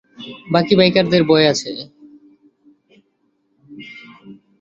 বাকি বাইকাররা ভয়ে আছে।